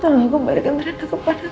tolong aku berikan terima kasih kepada